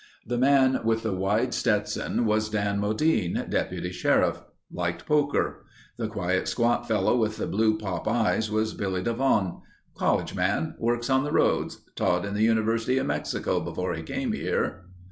The man with the wide Stetson was Dan Modine, deputy sheriff. Liked poker. The quiet, squat fellow with the blue pop eyes was Billy de Von. "College man. Works on the roads. Taught in the University of Mexico before he came here.